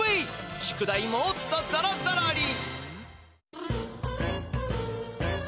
宿題もっとぞろぞろり！